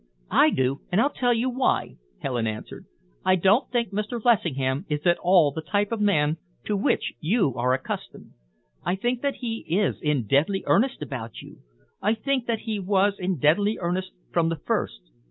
"I do, and I'll tell you why," Helen answered. "I don't think Mr. Lessingham is at all the type of man to which you are accustomed. I think that he is in deadly earnest about you. I think that he was in deadly earnest from the first.